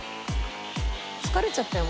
疲れちゃったよ